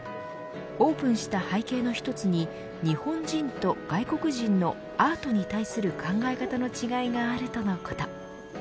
オープンした背景の一つに日本人と外国人のアートに対する考え方の違いがあるとのこと。